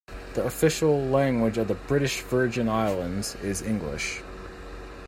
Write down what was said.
The official language of the British Virgin Islands is English.